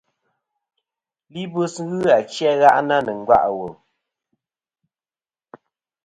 Libɨs ghɨ achi a gha'na nɨ̀ nga' ɨ wùl.